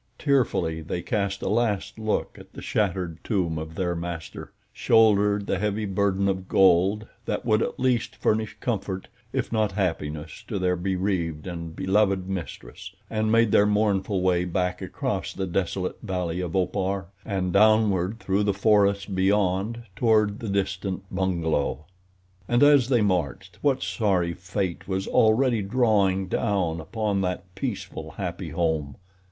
Tearfully they cast a last look at the shattered tomb of their master, shouldered the heavy burden of gold that would at least furnish comfort, if not happiness, to their bereaved and beloved mistress, and made their mournful way back across the desolate valley of Opar, and downward through the forests beyond toward the distant bungalow. And as they marched what sorry fate was already drawing down upon that peaceful, happy home!